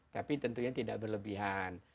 tapi tentunya tidak berlebihan